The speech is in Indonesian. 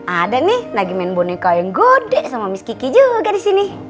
ada nih lagi main boneka yang gode sama miss kiki juga disini